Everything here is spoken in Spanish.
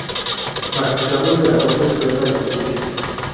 Magistrado de la Corte Suprema de Justicia.